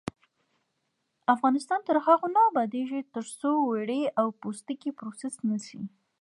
افغانستان تر هغو نه ابادیږي، ترڅو وړۍ او پوستکي پروسس نشي.